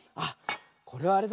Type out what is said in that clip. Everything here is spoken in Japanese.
これはあれだね。